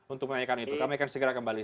untuk menanyakan itu kami akan segera kembali